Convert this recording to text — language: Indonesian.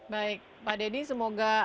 baik pak dedy semoga